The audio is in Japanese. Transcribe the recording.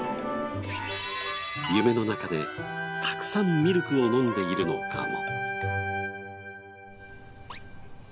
夢の中でたくさんミルクを飲んでいるのかも。